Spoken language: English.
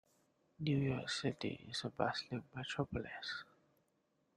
New York City is a bustling metropolis.